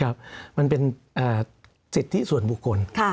มันเป็นสิทธิส่วนบุคคล